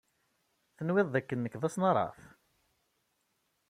Tenwiḍ d akken nekk d asnaraf?